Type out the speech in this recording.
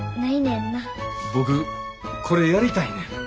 僕これやりたいねん。